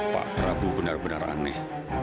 pak prabowo benar benar aneh